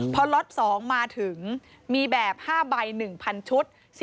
พอล็อต๒มาถึงมีแบบ๕ใบ๑๐๐ชุด